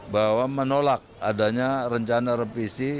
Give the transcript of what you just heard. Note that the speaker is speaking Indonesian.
bahwa menolak adanya rencana revisi